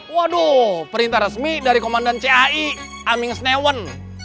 waduh perintah resmi dari komandan cai aming snewon